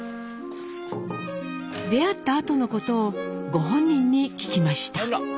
出会ったあとのことをご本人に聞きました。